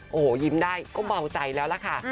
โอ้โหยิ้มได้ก็เมาใจแล้วล่ะค่ะ